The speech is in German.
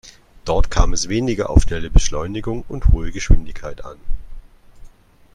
Dort kam es weniger auf schnelle Beschleunigung und hohe Geschwindigkeit an.